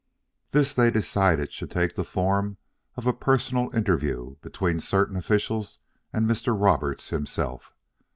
This they decided should take the form of a personal interview between certain officials and Mr. Roberts himself.